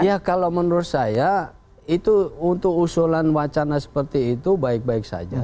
ya kalau menurut saya itu untuk usulan wacana seperti itu baik baik saja